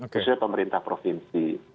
terusnya pemerintah provinsi